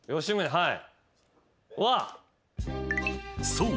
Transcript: ［そう。